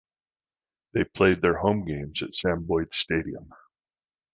They played their home games at Sam Boyd Stadium.